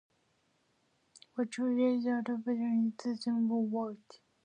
WightFibre is available in the Isle of Wight.